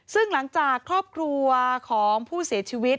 ซึ่งหลังจากครอบครัวของผู้เสียชีวิต